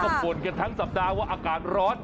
ก็บ่นกันทั้งสัปดาห์ว่าอากาศร้อน